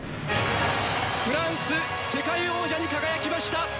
フランス世界王者に輝きました！